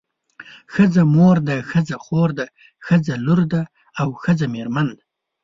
ښځه مور ده ښځه خور ده ښځه لور ده او ښځه میرمن ده.